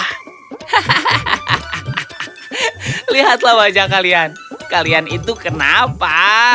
hahaha lihatlah wajah kalian kalian itu kenapa